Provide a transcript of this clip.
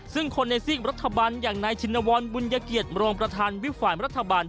ซึ่งคนในซีกรัฐบาลอย่างนายชินวรบุญเกียรติรองประธานวิบฝ่ายรัฐบาล